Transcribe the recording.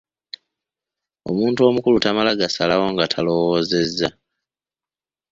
Omuntu omukulu tamala gasalawo nga talowoozezza.